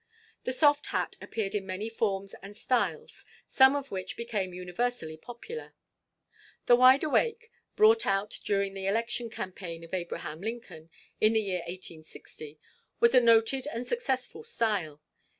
The soft hat appeared in many forms and styles, some of which became universally popular. The "wide awake," brought out during the election campaign of Abraham Lincoln, in the year 1860, was a noted and successful style.